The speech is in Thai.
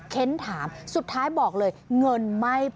เค้นถามสุดท้ายบอกเลยเงินไม่พอ